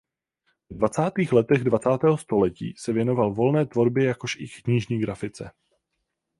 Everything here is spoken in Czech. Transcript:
Ve dvacátých letech dvacátého století se věnoval volné tvorbě jakož i knižní grafice.